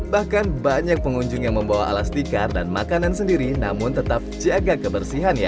bahkan banyak pengunjung yang membawa alas tikar dan makanan sendiri namun tetap jaga kebersihan ya